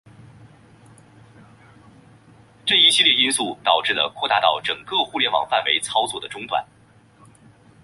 这一系列因素导致了扩大到整个互联网范围操作的中断。